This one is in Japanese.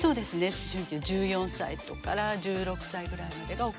思春期の１４歳から１６歳ぐらいまでが起こりやすい。